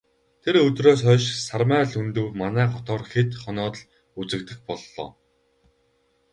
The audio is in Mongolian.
Тэр өдрөөс хойш Сармай Лхүндэв манай хотоор хэд хоноод л үзэгдэх боллоо.